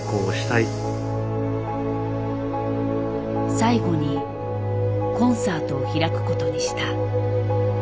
最後にコンサートを開くことにした。